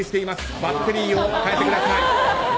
バッテリーを替えてください。